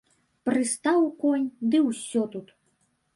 Прыстаў конь, ды ўсё тут.